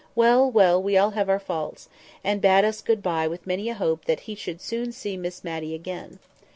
Well, well! we have all our faults"; and bade us good bye with many a hope that he should soon see Miss Matty again.